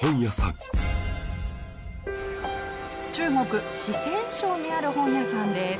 中国四川省にある本屋さんです。